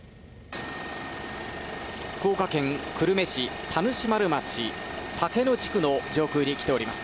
福岡県久留米市田主丸町竹野地区の上空に来ています。